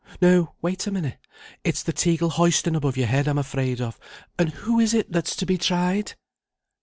"No, wait a minute; it's the teagle hoisting above your head I'm afraid of; and who is it that's to be tried?"